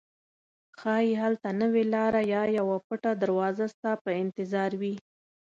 ښایي هلته نوې لاره یا یوه پټه دروازه ستا په انتظار وي.